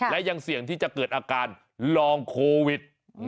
และยังเสี่ยงที่จะเกิดอาการลองโควิด